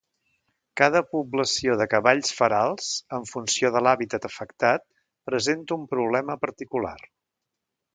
Cada població de cavalls ferals, en funció de l'hàbitat afectat, presenta un problema particular.